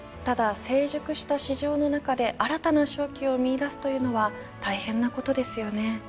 ただ成熟した市場の中で新たな商機を見いだすというのは大変なことですよね。